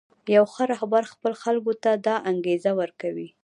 یو ښه رهبر خپلو خلکو ته دا انګېزه ورکوي.